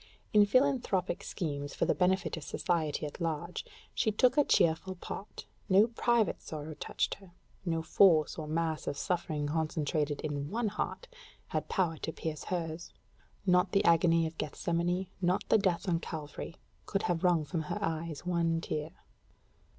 In philanthropic schemes, for the benefit of society at large, she took a cheerful part; no private sorrow touched her: no force or mass of suffering concentrated in one heart had power to pierce hers. Not the agony of Gethsemane, not the death on Calvary, could have wrung from her eyes one tear.